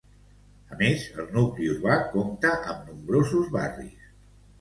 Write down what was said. A més, el nucli urbà compta amb nombrosos barris.